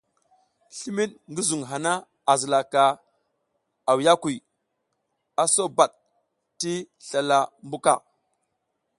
Slimid ngi zuŋ hana a zilaka awiyakuy, a so bad ti slala mbuka.